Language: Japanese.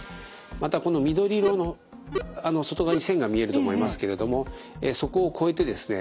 またこの緑色の外側に線が見えると思いますけれどもそこを越えてですね